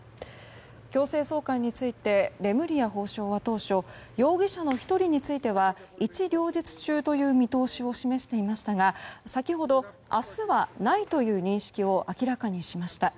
強制送還についてレムリヤ法相は当初容疑者の１人については一両日中という見通しを示していましたが先ほど明日はないという認識を明らかにしました。